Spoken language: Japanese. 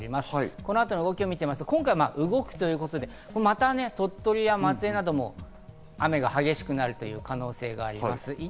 この後の動きを見ると今回動くということでまた鳥取や松江なども雨が激しくなる可能性があります。